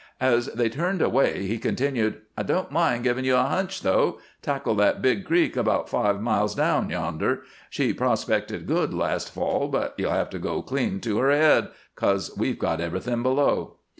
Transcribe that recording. As they turned away he continued: "I don't mind giving you a hunch, though. Tackle that big creek about five miles down yonder. She prospected good last fall, but you'll have to go clean to her head, 'cause we've got everything below."